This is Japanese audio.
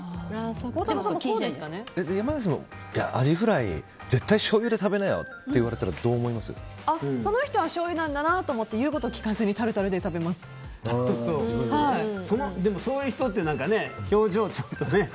山崎さんもアジフライ絶対しょうゆで食べなよって言われたらその人はしょうゆなんだなと思って言うこと聞かずにでもそういう人って表情、ちょっとね。